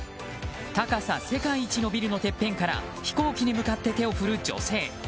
高さ世界一のビルのてっぺんから飛行機に向かって手を振る女性。